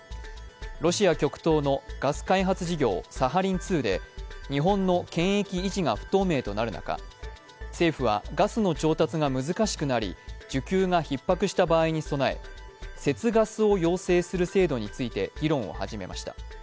ロシア極東のガス開発事業、サハリン２で日本の権益維持が不透明となる中、政府はガスの調達が難しくなり、需給がひっ迫した場合に備え、節ガスを要請する制度について議論を始めました。